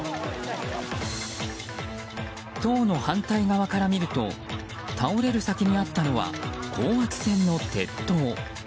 塔の反対側から見ると倒れる先にあったのは高圧線の鉄塔。